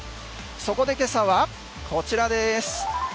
そこで今朝はこちらです。